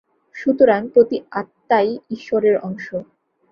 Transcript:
সুতরাং প্রতি আত্মাই ঈশ্বরের অংশ।